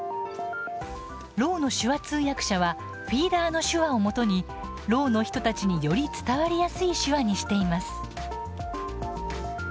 ろうの手話通訳者はフィーダーの手話をもとにろうの人たちにより伝わりやすい手話にしています。